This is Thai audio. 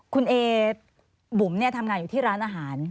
คุณเอบุ๋มทำงานอยู่ที่ร้านอาหาร